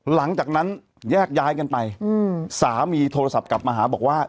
หลังจากนั้นแยกย้ายกันไปสามีโทรศัพท์กลับมาหาบอกว่า